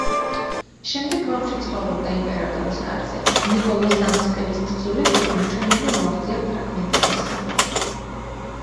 შემდეგ რომში ცხოვრობდა იმპერატორის კარზე, ნიკოლოზ დამასკელის თხზულებებმა ჩვენამდე მოაღწია ფრაგმენტების სახით.